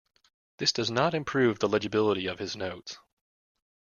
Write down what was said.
This does not improve the legibility of his notes.